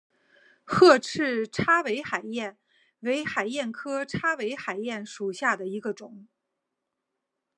褐翅叉尾海燕为海燕科叉尾海燕属下的一个种。